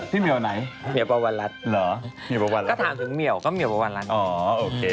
ที่เมียวไหนเมียวประวันรัฐถามถึงเมียวก็เมียวประวันรัฐ